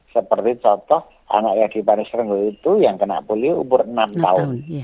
seperti contoh anak yang di paris renggo itu yang kena polio umur enam tahun